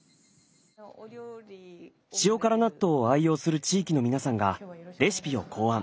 塩辛納豆を愛用する地域の皆さんがレシピを考案。